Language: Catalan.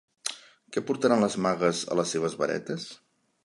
Què portaran les magues a les seves varetes?